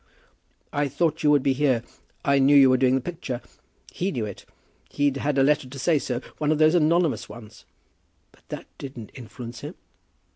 "I thought you would be here. I knew you were doing the picture. He knew it. He'd had a letter to say so, one of those anonymous ones." "But that didn't influence him?"